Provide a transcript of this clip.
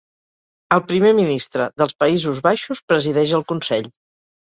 El Primer Ministre dels Països Baixos presideix el Consell.